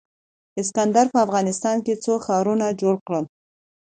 اسکندر په افغانستان کې څو ښارونه جوړ کړل